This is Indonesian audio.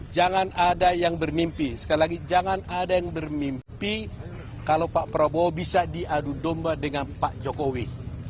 jangan ada yang bermimpi sekali lagi jangan ada yang bermimpi kalau pak prabowo bisa diadu domba dengan pak jokowi